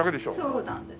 そうなんです。